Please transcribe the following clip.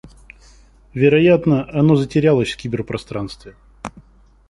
Вероятно, оно затерялось в киберпространстве.